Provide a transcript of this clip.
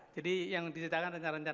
jadi yang diceritakan rencana rencana